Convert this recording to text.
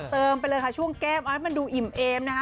เติมไปเลยค่ะช่วงแก้มมันดูอิ่มนะฮะ